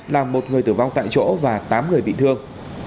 làm một người tử vong tại chỗ và tám người bị thương